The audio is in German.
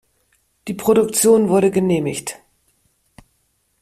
Die Produktion wurde genehmigt.